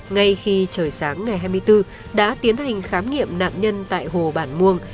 ngay khi trời sáng ngày hai mươi bốn đã tiến hành khám nghiệm nạn nhân tại hồ bản muông